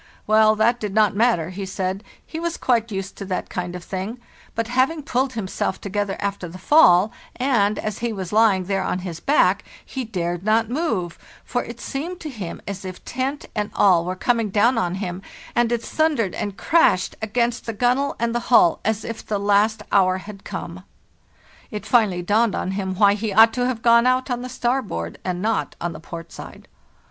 'Well, that did not matter,' he said; 'he was quite used to that kind of thing; but having pulled himself togeth er after the fall, and as he was lying there on his back, he dared not move, for it seemed to him as if tent and all were coming down on him, and it thundered and crashed against the gunwale and the hull as if the last hour had come. It finally dawned on him why he ought to have gone out on the starboard and not on the port side.